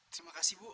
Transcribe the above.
terima kasih bu